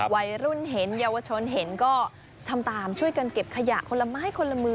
วัยรุ่นเห็นเยาวชนเห็นก็ทำตามช่วยกันเก็บขยะคนละไม้คนละมือ